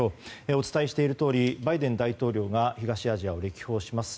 お伝えしているとおりバイデン大統領が東アジアを歴訪します。